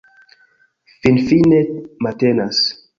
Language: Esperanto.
Finfine matenas.